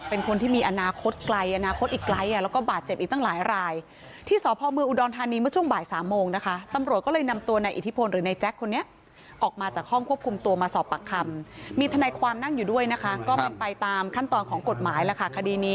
เป็นคนที่มีอนาคตไกลอนาคตอีกไกลแล้วก็บาดเจ็บอีกตั้งหลายราย